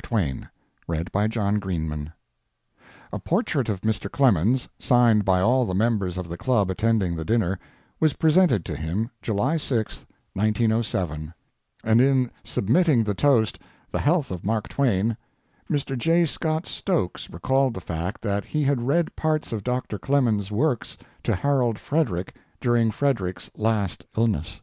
THE SAVAGE CLUB DINNER A portrait of Mr. Clemens, signed by all the members of the club attending the dinner, was presented to him, July 6, 1907, and in submitting the toast "The Health of Mark Twain" Mr. J. Scott Stokes recalled the fact that he had read parts of Doctor Clemens's works to Harold Frederic during Frederic's last illness.